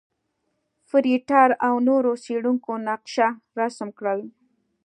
فرېټر او نورو څېړونکو نقشه رسم کړل.